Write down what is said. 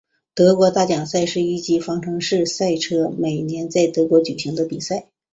德国大奖赛是一级方程式赛车每年在德国举行的比赛。